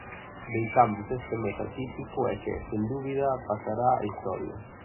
Deixamos este mes atípico e que, sen dúbida, pasará á historia.